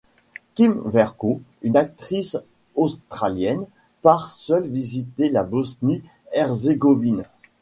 Kym Vercoe, une actrice australienne, part seule visiter la Bosnie-Herzégovine.